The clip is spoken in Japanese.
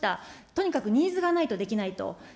とにかくニーズがないとできないと。